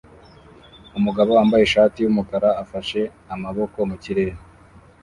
umugabo wambaye ishati yumukara afashe amaboko mukirere